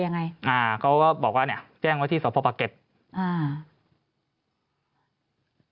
ยังไงอ่าเขาก็บอกว่าเนี้ยแจ้งไว้ที่สพปะเก็ตอ่า